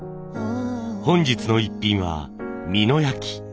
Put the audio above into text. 本日のイッピンは美濃焼。